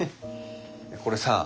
これさ